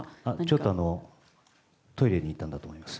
ちょっとトイレに行ったんだと思います。